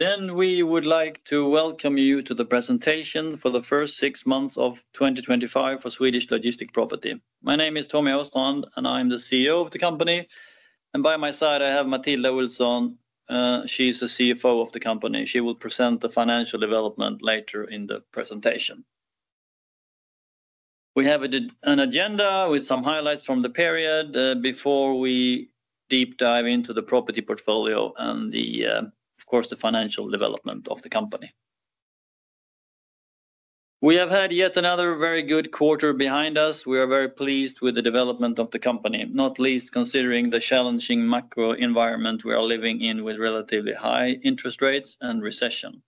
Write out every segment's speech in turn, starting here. We would like to welcome you to the presentation for the first six months of 2025 for Swedish Logistic Property. My name is Tommy Åstrand and I am the CEO of the company, and by my side I have Matilda Olsson. She is the CFO of the company. She will present the financial development later in the presentation. We have an agenda with some highlights from the period before we deep dive into the property portfolio and, of course, the financial development of the company. We have had yet another very good quarter behind us. We are very pleased with the development of the company, not least considering the challenging macro-economic environment we are living in with relatively high interest rates and recessionary pressures.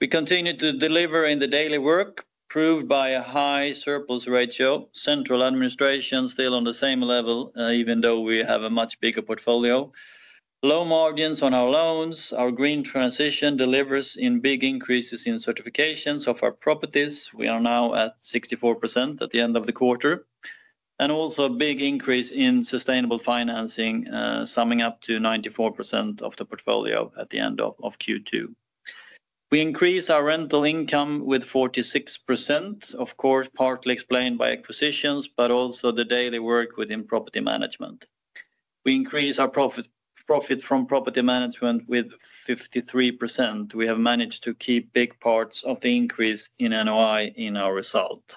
We continue to deliver in the daily work, proved by a high surplus ratio. Central administration is still on the same level, even though we have a much bigger portfolio. There are low margins on our loans. Our green transition delivers in big increases in certifications of our properties. We are now at 64% at the end of the quarter and also a big increase in sustainable financing, summing up to 94% of the portfolio at the end of Q2. We increase our rental income with 46%, of course, partly explained by acquisitions, but also the daily work within property management. We increase our profit from property management with 53%. We have managed to keep big parts of the increase in NOI in our result.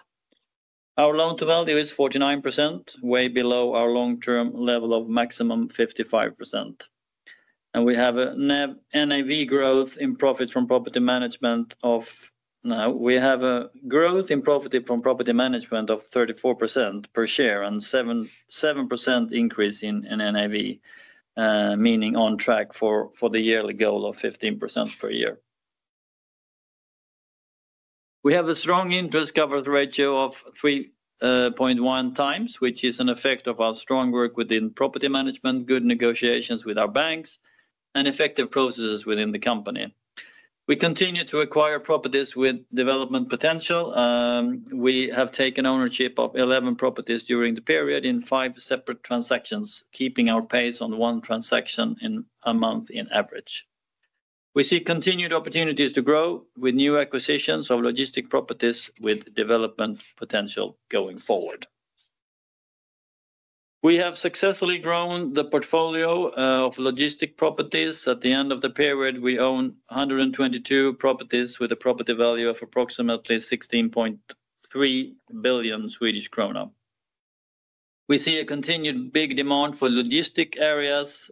Our loan-to-value ratio is 49%, way below our long-term level of maximum 55%. We have a growth in profit from property management of 34% per share and a 7% increase in NAV, meaning on track for the yearly goal of 15% per year. We have a strong interest coverage ratio of 3.1x, which is an effect of our strong work within property management, good negotiations with our banks, and effective processes within the company. We continue to acquire properties with development potential. We have taken ownership of 11 properties during the period in five separate transactions, keeping our pace on one transaction a month on average. We see continued opportunities to grow with new acquisitions of logistics properties with development potential going forward. We have successfully grown the portfolio of logistics properties. At the end of the period, we owned 122 properties with a property value of approximately 16.3 billion Swedish krona. We see a continued big demand for logistics areas,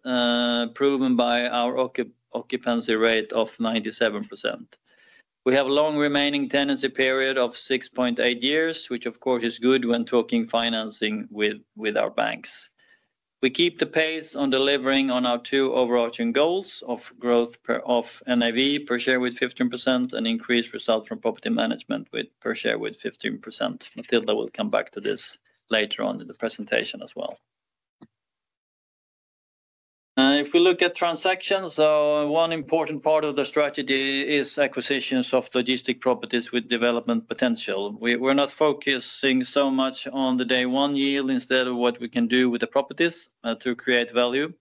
proven by our occupancy rate of 97%. We have a long remaining tenancy period of 6.8 years, which of course is good when talking financing with our banks. We keep the pace on delivering on our two overarching goals of growth of NAV per share with 15% and increased results from property management per share with 15%. Matilda will come back to this later on in the presentation as well. If we look at transactions, one important part of the strategy is acquisitions of logistics properties with development potential. We're not focusing so much on the day one yield instead of what we can do with the properties to create value,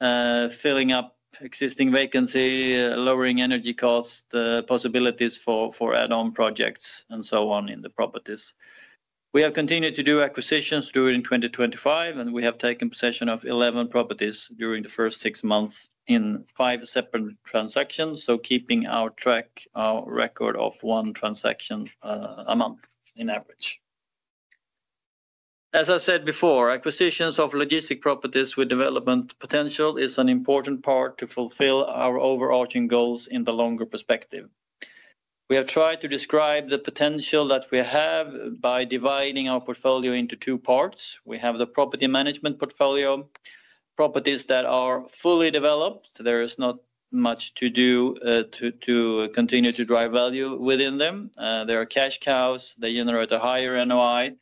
filling up existing vacancies, lowering energy costs, possibilities for add-on projects, and so on in the properties. We have continued to do acquisitions during 2025, and we have taken possession of 11 properties during the first six months in five separate transactions. Keeping our track, our record of one transaction a month in average. As I said before, acquisitions of logistics properties with development potential is an important part to fulfill our overarching goals in the longer perspective. We have tried to describe the potential that we have by dividing our portfolio into two parts. We have the property management portfolio, properties that are fully developed. There is not much to do to continue to drive value within them. There are cash cows that generate a higher NOI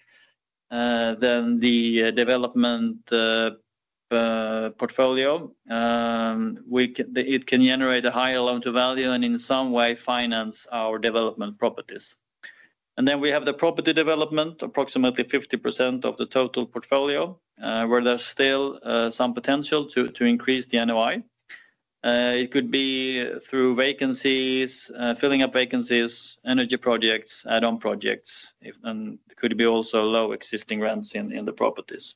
than the development portfolio. It can generate a higher loan-to-value ratio and in some way finance our development properties. Then we have the property development, approximately 50% of the total portfolio, where there's still some potential to increase the NOI. It could be through vacancies, filling up vacancies, energy projects, add-on projects, and it could be also low existing rents in the properties.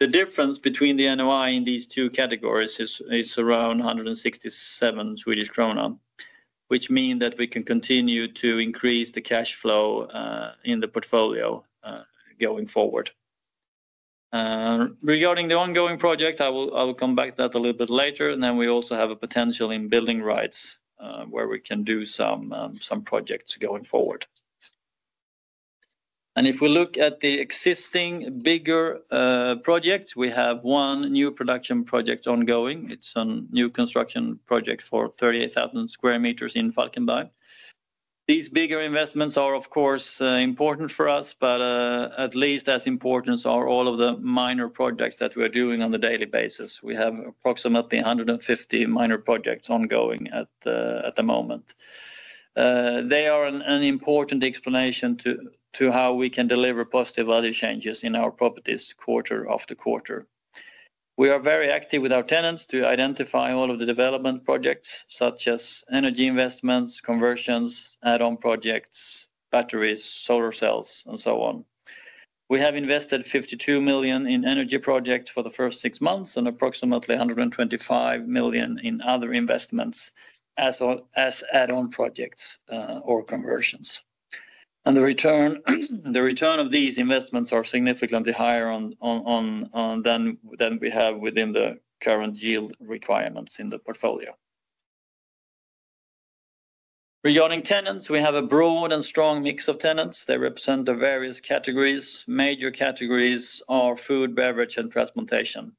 The difference between the NOI in these two categories is around 167 Swedish kronor, which means that we can continue to increase the cash flow in the portfolio going forward. Regarding the ongoing project, I will come back to that a little bit later. We also have a potential in building rights where we can do some projects going forward. If we look at the existing bigger projects, we have one new production project ongoing. It's a new construction project for 38,000 sq m in Falkenberg. These bigger investments are, of course, important for us, but at least as important are all of the minor projects that we are doing on a daily basis. We have approximately 150 minor projects ongoing at the moment. They are an important explanation to how we can deliver positive value changes in our properties quarter after quarter. We are very active with our tenants to identify all of the development projects, such as energy investments, conversions, add-on projects, batteries, solar cells, and so on. We have invested 52 million in energy projects for the first six months and approximately 125 million in other investments as add-on projects or conversions. The return of these investments is significantly higher than we have within the current yield requirements in the portfolio. Regarding tenants, we have a broad and strong mix of tenants. They represent the various categories. Major categories are food, beverage, and transportation.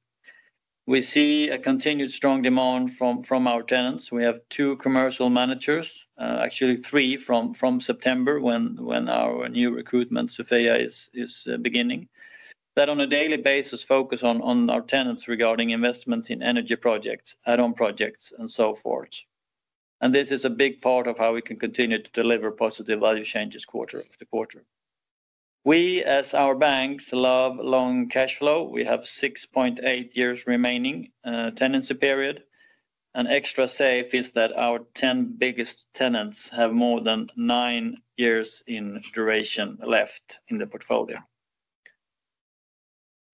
We see a continued strong demand from our tenants. We have two Commercial Managers, actually three from September when our new recruitment, Sophia, is beginning, that on a daily basis focus on our tenants regarding investments in energy projects, add-on projects, and so forth. This is a big part of how we can continue to deliver positive value changes quarter after quarter. We, as our banks, love long cash flow. We have 6.8 years remaining tenancy period. An extra save is that our ten biggest tenants have more than nine years in duration left in the portfolio.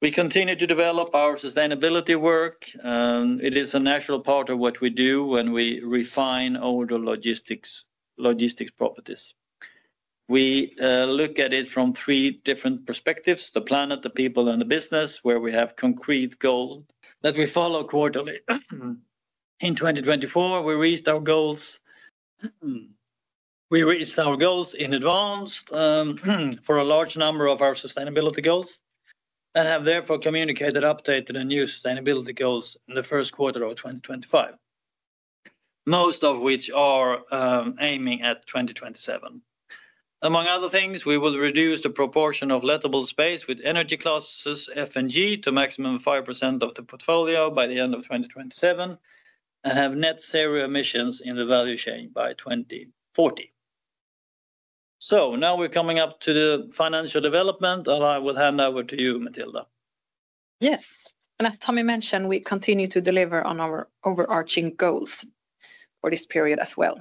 We continue to develop our sustainability work. It is a natural part of what we do when we refine older logistics properties. We look at it from three different perspectives: the planet, the people, and the business, where we have concrete goals that we follow quarterly. In 2024, we reached our goals in advance for a large number of our sustainability goals and have therefore communicated updated and new sustainability goals in the first quarter of 2025, most of which are aiming at 2027. Among other things, we will reduce the proportion of lettable space with energy classes F and G to a maximum of 5% of the portfolio by the end of 2027 and have net zero emissions in the value chain by 2040. Now we're coming up to the financial development, and I will hand over to you, Matilda. Yes, and as Tommy mentioned, we continue to deliver on our overarching goals for this period as well.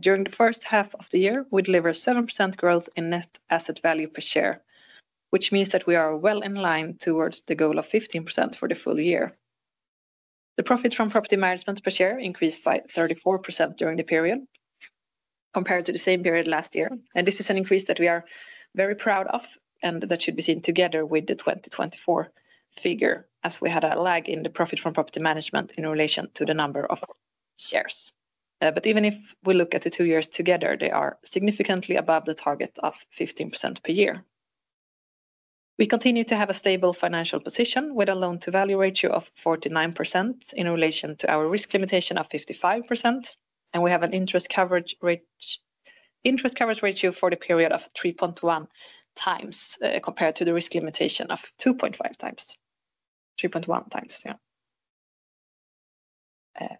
During the first half of the year, we delivered 7% growth in net asset value (NAV) per share, which means that we are well in line towards the goal of 15% for the full year. The profit from property management per share increased by 34% during the period compared to the same period last year, and this is an increase that we are very proud of and that should be seen together with the 2024 figure, as we had a lag in the profit from property management in relation to the number of shares. Even if we look at the two years together, they are significantly above the target of 15% per year. We continue to have a stable financial position with a loan-to-value ratio of 49% in relation to our risk limitation of 55%, and we have an interest coverage ratio for the period of 3.1x compared to the risk limitation of 2.5x, 3.1x.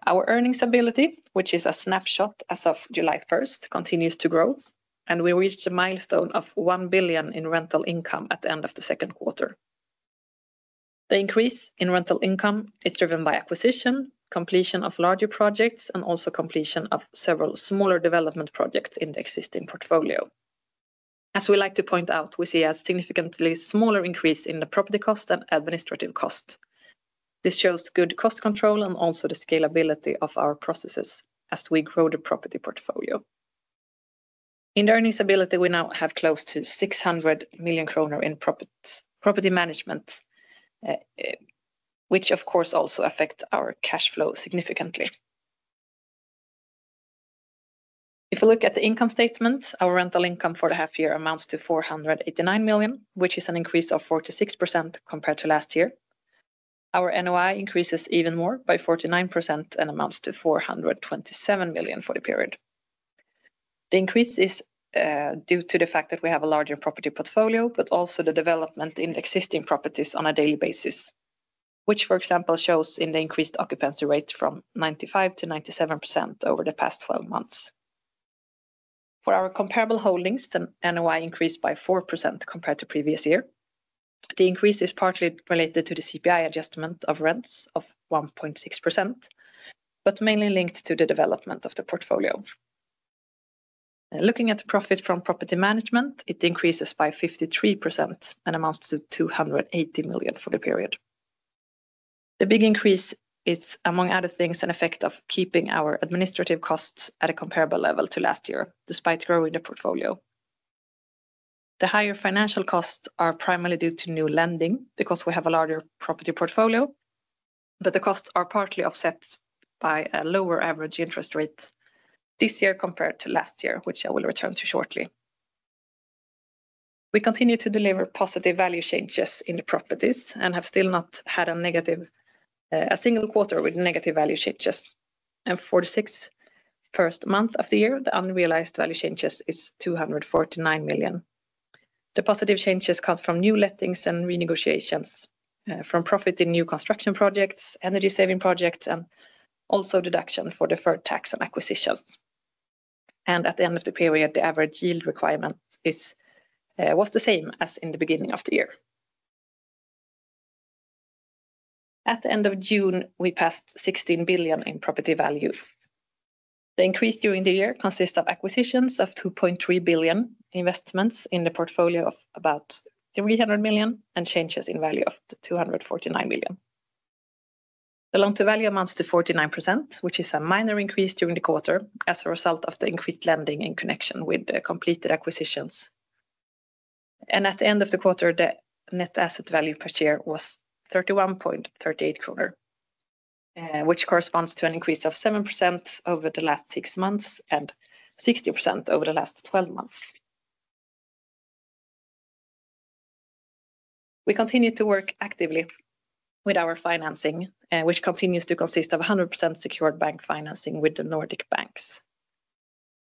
Our earnings ability, which is a snapshot as of July 1, continues to grow, and we reached a milestone of 1 billion in rental income at the end of the second quarter. The increase in rental income is driven by acquisition, completion of larger projects, and also completion of several smaller development projects in the existing portfolio. As we like to point out, we see a significantly smaller increase in the property cost and administrative cost. This shows good cost control and also the scalability of our processes as we grow the property portfolio. In the earnings ability, we now have close to 600 million kronor in property management, which of course also affects our cash flow significantly. If we look at the income statement, our rental income for the half year amounts to 489 million, which is an increase of 46% compared to last year. Our NOI increases even more by 49% and amounts to 427 million for the period. The increase is due to the fact that we have a larger property portfolio, but also the development in existing properties on a daily basis, which, for example, shows in the increased occupancy rate from 95%-97% over the past 12 months. For our comparable holdings, the NOI increased by 4% compared to the previous year. The increase is partly related to the CPI adjustment of rents of 1.6%, but mainly linked to the development of the portfolio. Looking at the profit from property management, it increases by 53% and amounts to 280 million for the period. The big increase is, among other things, an effect of keeping our administrative costs at a comparable level to last year, despite growing the portfolio. The higher financial costs are primarily due to new lending because we have a larger property portfolio, but the costs are partly offset by a lower average interest rate this year compared to last year, which I will return to shortly. We continue to deliver positive value changes in the properties and have still not had a single quarter with negative value changes. For the first six months of the year, the unrealized value changes are 249 million. The positive changes come from new lettings and renegotiations, from profit in new construction projects, energy saving projects, and also deduction for deferred tax and acquisitions. At the end of the period, the average yield requirement was the same as in the beginning of the year. At the end of June, we passed 16 billion in property value. The increase during the year consists of acquisitions of 2.3 billion, investments in the portfolio of about 300 million, and changes in value of 249 million. The loan-to-value ratio amounts to 49%, which is a minor increase during the quarter as a result of the increased lending in connection with the completed acquisitions. At the end of the quarter, the net asset value (NAV) per share was 31.38 kronor, which corresponds to an increase of 7% over the last six months and 60% over the last 12 months. We continue to work actively with our financing, which continues to consist of 100% secured bank financing with the Nordic banks.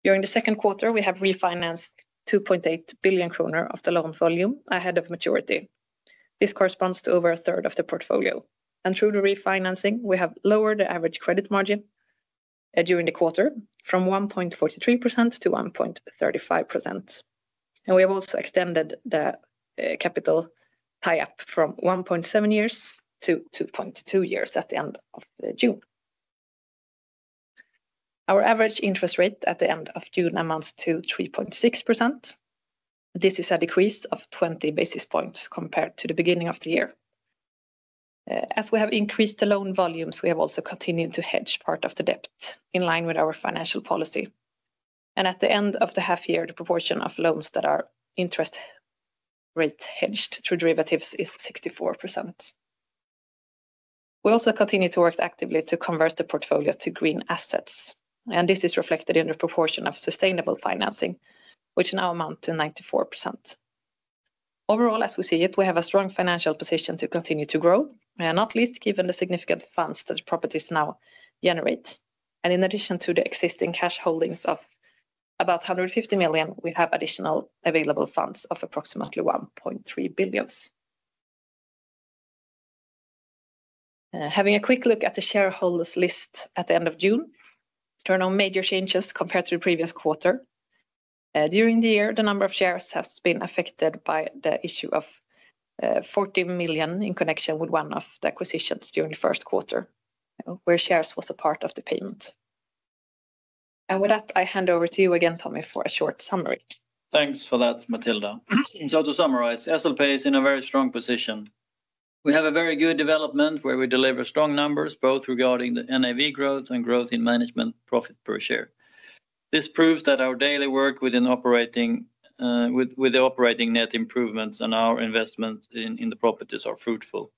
During the second quarter, we have refinanced 2.8 billion kronor of the loan volume ahead of maturity. This corresponds to over a third of the portfolio. Through the refinancing, we have lowered the average credit margin during the quarter from 1.43%-1.35%. We have also extended the capital tie-up from 1.7 years to 2.2 years at the end of June. Our average interest rate at the end of June amounts to 3.6%. This is a decrease of 20 basis points compared to the beginning of the year. As we have increased the loan volumes, we have also continued to hedge part of the debt in line with our financial policy. At the end of the half year, the proportion of loans that are interest rate-hedged through derivatives is 64%. We also continue to work actively to convert the portfolio to green assets. This is reflected in the proportion of sustainable financing, which now amounts to 94%. Overall, as we see it, we have a strong financial position to continue to grow, not least given the significant funds that the properties now generate. In addition to the existing cash holdings of about 150 million, we have additional available funds of approximately 1.3 billion. Having a quick look at the shareholders' list at the end of June, there are no major changes compared to the previous quarter. During the year, the number of shares has been affected by the issue of 40 million in connection with one of the acquisitions during the first quarter, where shares were a part of the payment. With that, I hand over to you again, Tommy, for a short summary. Thanks for that, Matilda. To summarize, SLP is in a very strong position. We have a very good development where we deliver strong numbers both regarding the NAV growth and growth in management profit per share. This proves that our daily work within operating net improvements and our investments in the properties are fruitful.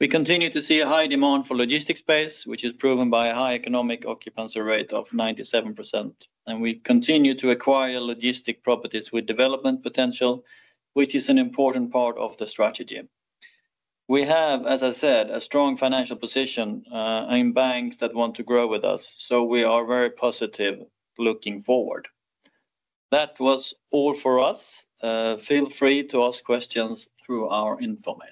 We continue to see a high demand for logistics space, which is proven by a high economic occupancy rate of 97%. We continue to acquire logistics properties with development potential, which is an important part of the strategy. We have, as I said, a strong financial position and banks that want to grow with us. We are very positive looking forward. That was all for us. Feel free to ask questions through our information.